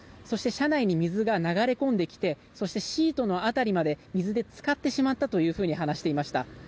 車内に水が流れ込んできてそして、シートの辺りまで水で浸かってしまったと話していました。